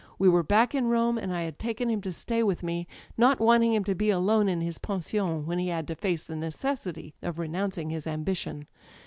We were back in Rome, and I had taken him to stay with me, not want ing him to be alone in his pension when he had to face the necessity of renouncing his ambition.